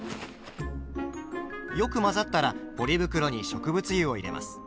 よく混ざったらポリ袋に植物油を入れます。